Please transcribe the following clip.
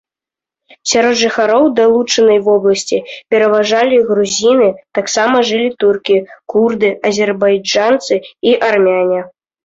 Сярод жыхароў далучанай вобласці пераважалі грузіны, таксама жылі туркі, курды, азербайджанцы і армяне.